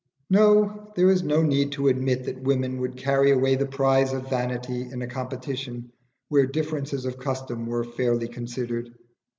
No! there is no need to admit that women would carry away the prize of vanity in a competition where differences of custom were fairly considered.